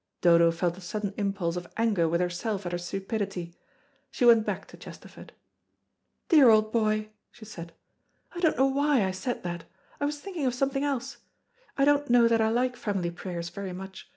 Dodo felt a sudden impulse of anger with herself at her stupidity. She went back to Chesterford. "Dear old boy," she said, "I don't know why I said that. I was thinking of something else. I don't know that I like family prayers very much.